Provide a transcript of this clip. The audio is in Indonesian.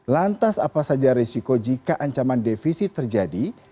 lantas apa saja risiko jika ancaman defisit terjadi